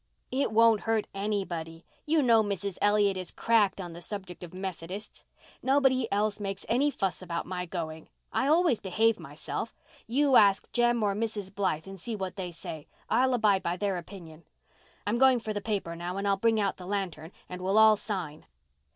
"It won't hurt anybody. You know Mrs. Elliott is cracked on the subject of Methodists. Nobody else makes any fuss about my going. I always behave myself. You ask Jem or Mrs. Blythe and see what they say. I'll abide by their opinion. I'm going for the paper now and I'll bring out the lantern and we'll all sign."